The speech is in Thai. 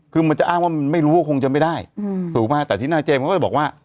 คือมันจะอ้างว่ามันไม่รู้ว่าคงจะไม่ได้ถูกไหมแต่ที่หน้าเจมส์ก็เลยบอกว่า